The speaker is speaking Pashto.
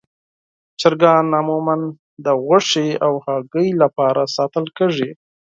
چرګان عموماً د غوښې او هګیو لپاره ساتل کېږي.